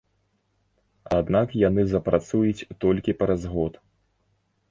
Аднак яны запрацуюць толькі праз год.